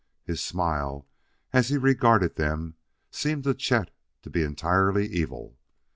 His smile, as he regarded them, seemed to Chet to be entirely evil.